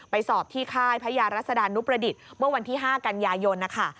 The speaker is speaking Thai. สอบที่ค่ายพระยารัศดานุประดิษฐ์เมื่อวันที่๕กันยายนนะคะ